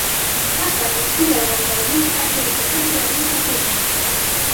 Más tarde, pide a la banda de música que interprete la misma pieza.